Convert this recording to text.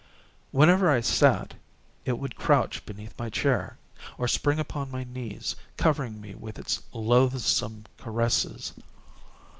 Whenever I sat, it would crouch beneath my chair, or spring upon my knees, covering me with its loathsome caresses.